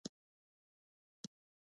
ګرځندوی به وده وکړي.